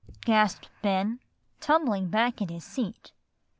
gasped Ben, tumbling back in his seat.